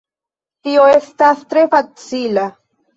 Tio estas tre facila.